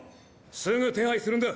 すぐ手配するんだ！